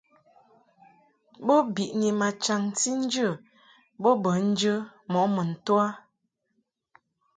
Bo biʼni ma chaŋti nje bo bə njə mɔʼ mun to a.